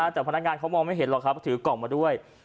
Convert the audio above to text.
แต่พนักงานเขามองไม่เห็นหรอกครับถือกล่องมาด้วย